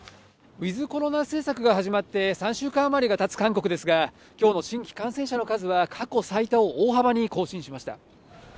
ｗｉｔｈコロナ政策が始まって３週間あまりがたつ韓国ですが、今日の新規感染者の数は過去最多を大幅に更新しました。